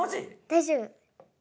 ⁉大丈夫。